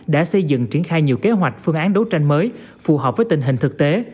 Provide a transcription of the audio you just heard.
đã xây dựng triển khai nhiều kế hoạch phương án đấu tranh mới phù hợp với tình hình thực tế